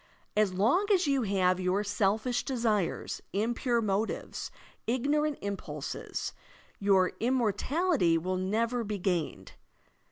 As long as you have your selfish desires, impure motives, ignorant impulses, your immortality will never be gained.